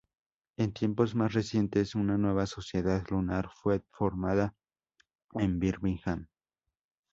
En tiempos más recientes, una nueva Sociedad Lunar fue formada en Birmingham.